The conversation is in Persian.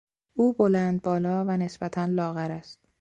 او بلند بالا و نسبتا لاغر است.